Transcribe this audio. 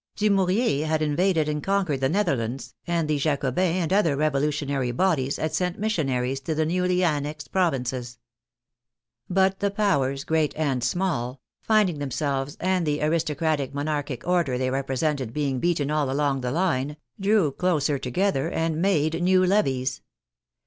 Du mouriez had invaded and conquered the Netherlands, and the Jacobins and other revolutionary bodies had sent missionaries to the newly annexed provinces. But the powers, great and small, finding themselves and the aris 56 MOUNTAIN AND GIRONDE 57 tocratic monarchic order they represented being beaten all along the line, drew closer together and made new levies.